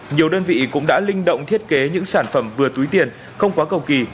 nhiều đơn vị cũng đã linh động thiết kế những sản phẩm vừa túi tiền không quá cầu kỳ